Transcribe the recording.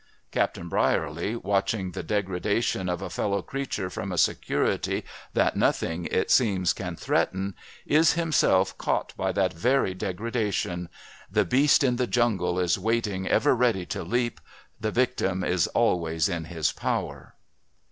Captain Brierley, watching the degradation of a fellow creature from a security that nothing, it seems, can threaten, is himself caught by that very degradation.... The Beast in the Jungle is waiting ever ready to leap the victim is always in his power.